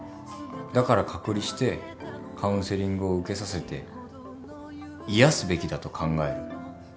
だから隔離してカウンセリングを受けさせて癒やすべきだと考える。